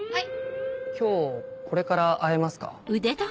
今日これから会えますか？